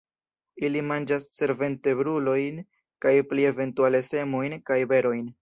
Ili manĝas senvertebrulojn kaj pli eventuale semojn kaj berojn.